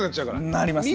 なりますね。